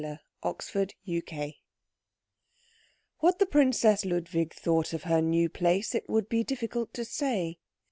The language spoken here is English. CHAPTER XIII What the Princess Ludwig thought of her new place it would be difficult to say.